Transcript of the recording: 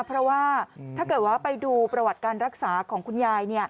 เพราะว่าถ้าเกิดว่าไปดูประวัติการรักษาของคุณยาย